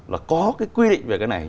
là có cái quy định về cái này